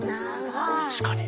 確かに。